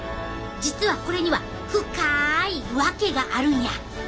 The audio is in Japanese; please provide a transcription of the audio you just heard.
実はこれには深いわけがあるんや！